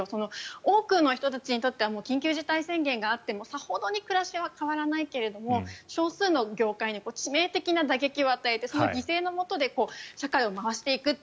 多くの人たちにとっては緊急事態宣言があってもさほど暮らしは変わらないけれど少数の業界に致命的な打撃を与えてその犠牲のもとで社会を回していくんだと。